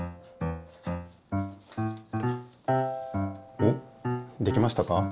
おっできましたか？